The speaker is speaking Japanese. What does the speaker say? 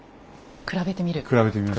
比べてみる。